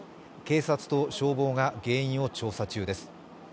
警察と消防が原因を調査中です。